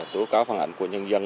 tố cáo phản ảnh của nhân dân